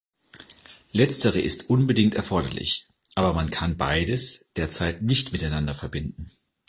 Letztere ist unbedingt erforderlich, aber man kann beides derzeit nicht miteinander verbinden.